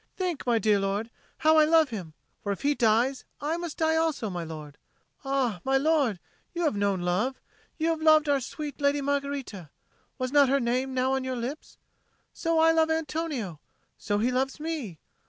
Think, my dear lord, how I love him; for if he dies, I must die also, my lord. Ah, my lord, you have known love. You loved our sweet Lady Margherita; was not her name now on your lips? So I love Antonio, so he loves me.